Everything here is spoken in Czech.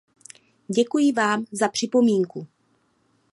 Děkuji vám za připomínku.